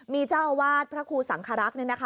มีเจ้าอาวาสพระครูสังครักษ์